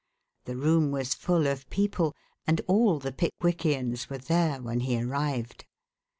The room was full of people, and all the Pickwickians were there when he arrived.